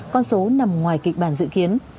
con số nằm ngoài kịch bản dự kiến